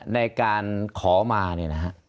ในการขอมาเนี่ยนะฮะ